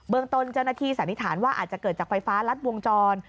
ตนเจ้าหน้าที่สันนิษฐานว่าอาจจะเกิดจากไฟฟ้ารัดวงจร